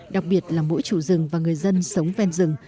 đặc biệt là mỗi chủ rừng và người dân sống ven rừng